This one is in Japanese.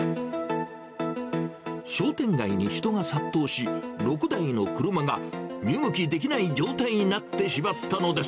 商店街に人が殺到し、６台の車が身動きできない状態になってしまったのです。